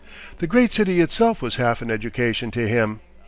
The great city itself was half an education to him.